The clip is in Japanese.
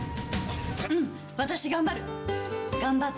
うん私頑張る。